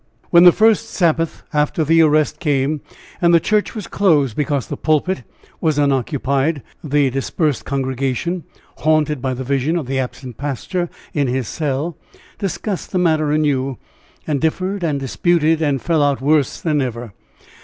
When the first Sabbath after the arrest came, and the church was closed because the pulpit was unoccupied, the dispersed congregation, haunted by the vision of the absent pastor in his cell, discussed the matter anew, and differed and disputed, and fell out worse than ever.